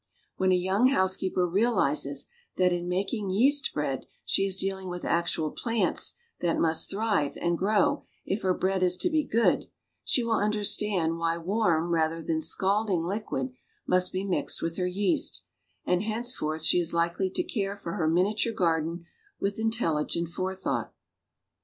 When a young housekeeijer realizes that in making yeast bread she is dealing with actual plants that must thrive and grow if her bread is to be good, she will understand why warm rather than scalding licpiid must be mixed M'ith her yeast; and henceforth she is likely to care for her miniature garden with intelligent forethought.